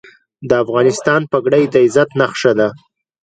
د افغانستان پګړۍ د عزت نښه ده